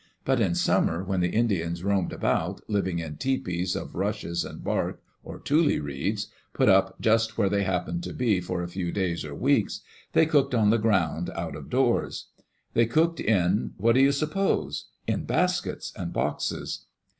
But in summer, when the Indians roamed about, living in tepees of rushes and bark or tule reeds, put up just where they happened to be for a few days or weeks, they cooked on the ground out of doors. iThey cooked in — what do you suppose? — in baskets and boxes.